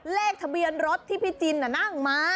เลขทะเบียนรถที่พี่จินนั่งมา